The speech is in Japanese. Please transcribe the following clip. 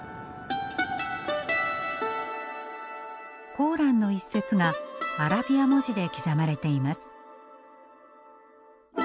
「コーラン」の一節がアラビア文字で刻まれています。